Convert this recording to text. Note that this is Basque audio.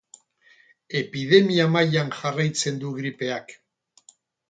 Epidemia mailan jarraitzen du gripeak.